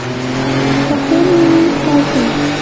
پخو مېوې خواږه وي